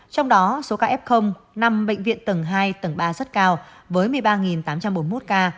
trong đó số ca f năm bệnh viện tầng hai tầng ba rất cao với một mươi ba tám trăm bốn mươi một ca